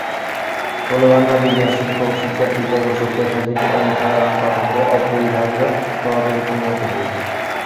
ফলে বাংলাপিডিয়া শিক্ষক, শিক্ষার্থী, গবেষক, পেশাজীবী এবং সাধারণ পাঠকদের অপরিহার্য সহচরে পরিণত হয়েছে।